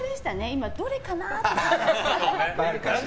今、どれかな？って思って。